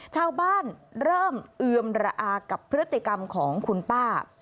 ชาวบ้านเริ่มเอือมระอากับพฤติกรรมของคุณป้า